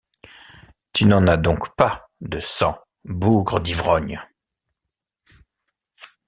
Tu n’en as donc pas, de sang, bougre d’ivrogne…